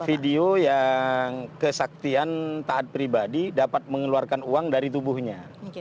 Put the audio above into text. video yang kesaktian taat pribadi dapat mengeluarkan uang dari tubuhnya